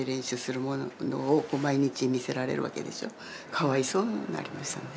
かわいそうになりましたね。